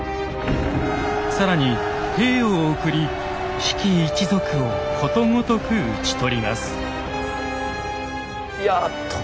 更に兵を送り比企一族をことごとく討ち取ります。